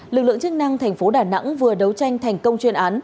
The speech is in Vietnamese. lực lượng chức năng tp đà nẵng vừa đấu tranh thành công chuyên án